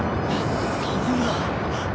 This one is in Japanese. そんな。